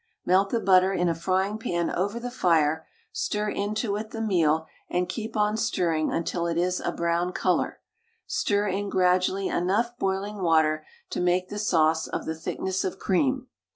Melt the butter in a frying pan over the fire, stir into it the meal, and keep on stirring until it is a brown colour. Stir in gradually enough boiling water to make the sauce of the thickness of cream.